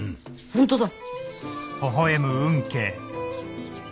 本当だ！